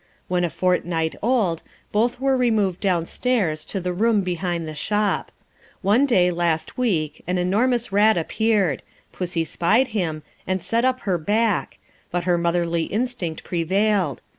When a fortnight old, both were removed downstairs to the room behind the shop. One day last week an enormous rat appeared; pussy spied him, and set up her back; but her motherly instinct prevailed.